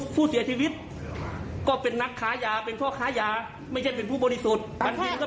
ผู้เสียชีวิตก็เป็นนักค้ายาเป็นพ่อค้ายาไม่ใช่เป็นผู้บริสุทธิ์